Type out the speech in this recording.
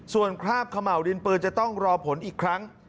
ส่วนคราบเขม่าวดินปืนจะต้องรอผลอีกครั้ง